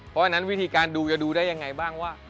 เพราะฉะนั้นวิธีการดูจะดูได้ยังไงบ้างว่า